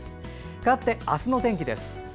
かわって、明日の天気です。